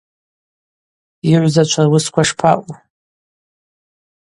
Уыгӏвзачва руысква шпаъу?